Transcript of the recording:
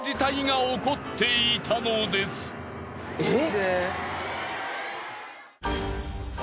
えっ？